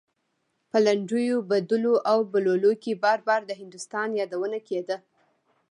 په لنډيو بدلو او بوللو کې بار بار د هندوستان يادونه کېده.